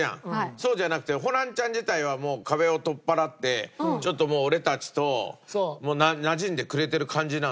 そうじゃなくてホランちゃん自体は壁を取っ払ってちょっと俺たちとなじんでくれてる感じなの？